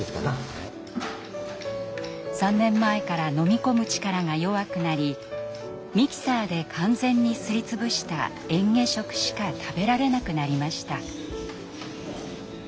３年前から飲み込む力が弱くなりミキサーで完全にすり潰したえん下食しか食べられなくなりました。